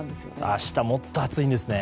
明日、もっと暑いんですね。